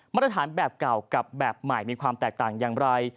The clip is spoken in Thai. มาตรฐานแบบเก่ากับแบบใหม่มีความแตกต่างอย่างไร